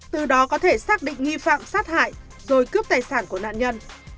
từ đó có thể xác định nghi phạm sát hại rồi cướp tài sản của nạn nhân